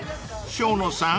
生野さん